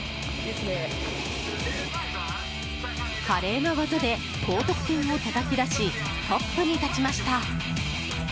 華麗な技で高得点をたたき出しトップに立ちました。